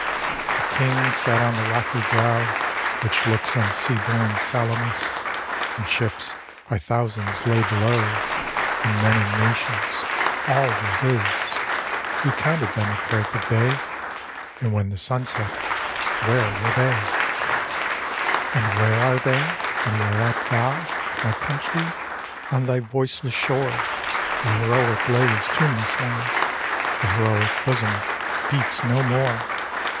A king sat on the rocky brow Which looks on sea born Salamis; And ships, by thousands, lay below. And men in nations; — all were his! He counted them at break of day — And when the sun set, where were they? 228 THE ISLES OF GREECE And where are they ? and where art thou, My country ? On thy voiceless shore The heroic lay is tuneless now — The heroic bosom beats no more!